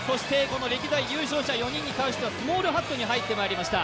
歴代優勝者４人に関してはスモールハットに入ってきました。